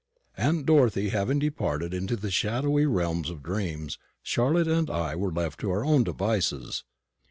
Aunt Dorothy having departed into the shadowy realm of dreams, Charlotte and I were left to our own devices.